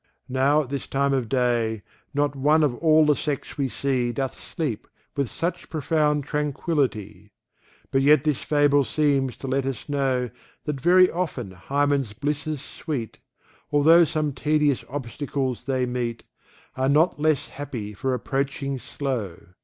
Now at this time of day, Not one of all the sex we see Doth sleep with such profound tranquillity: But yet this Fable seems to let us know That very often Hymen's blisses sweet, Altho' some tedious obstacles they meet, Are not less happy for approaching slow.